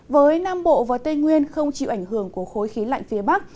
với nam bộ và tây nguyên không chịu ảnh hưởng của khối khí lạnh phía bắc